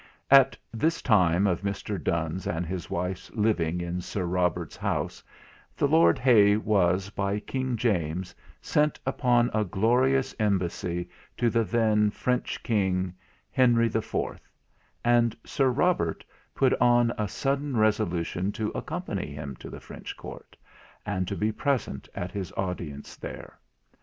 At this time of Mr. Donne's and his wife's living in Sir Robert's house, the Lord Hay was, by King James, sent upon a glorious embassy to the then French King, Henry the Fourth; and Sir Robert put on a sudden resolution to accompany him to the French Court, and to be present at his audience there.